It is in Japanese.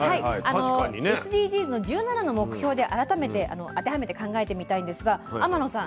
ＳＤＧｓの１７の目標で改めて当てはめて考えてみたいんですが天野さん